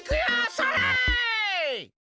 それ！